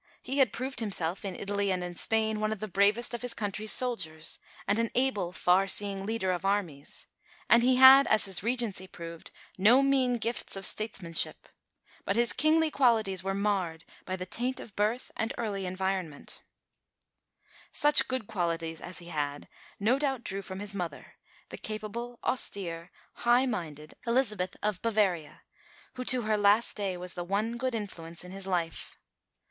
He had proved himself, in Italy and in Spain, one of the bravest of his country's soldiers, and an able, far seeing leader of armies; and he had, as his Regency proved, no mean gifts of statesmanship. But his kingly qualities were marred by the taint of birth and early environment. Such good qualities as he had he no doubt drew from his mother, the capable, austere, high minded Elizabeth of Bavaria, who to her last day was the one good influence in his life.